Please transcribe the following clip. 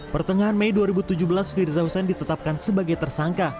pertengahan mei dua ribu tujuh belas firza hussein ditetapkan sebagai tersangka